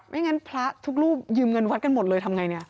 งั้นพระทุกรูปยืมเงินวัดกันหมดเลยทำไงเนี่ย